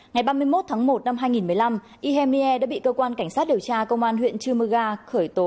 ngày ba mươi một tháng một năm hai nghìn một mươi năm ihmie đã bị cơ quan cảnh sát điều tra công an huyện chư mơ ga khởi tố